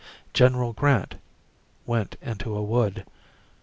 General Grant went into a wood.